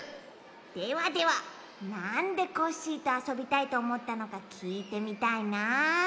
ではではなんでコッシーとあそびたいとおもったのかきいてみたいなあ。